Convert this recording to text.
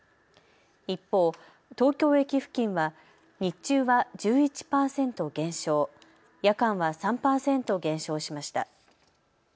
一方、東京駅付近は日中は１１％減少、夜間は３％減少しました。